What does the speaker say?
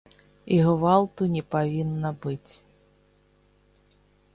І гвалту не павінна быць.